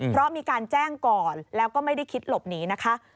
เพราะมีการแจ้งก่อนแล้วก็ไม่ได้คิดหลบหนีนะคะ